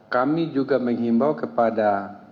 kami juga menghimbau kepada